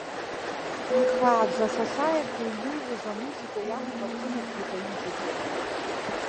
Ихааӡа асасааирҭа иҩныҩуаз амузика иаманы рҿынархеит аҩыџьагьы.